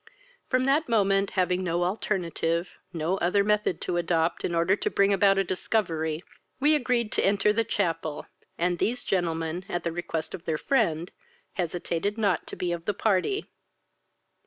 From that moment, having no alternative, no other method to adopt, in order to bring about a discovery, we agreed to enter the chapel, and these gentlemen, at the request of their friend, hesitated not to be of the party."